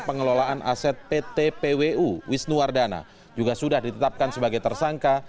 pengelolaan aset pt pwu wisnuwardana juga sudah ditetapkan sebagai tersangka